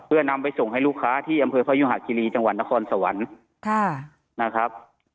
เพื่อนำไปส่งให้ลูกค้าที่อำเภอพยุหาคิรีจังหวัดนครสวรรค์นะครับ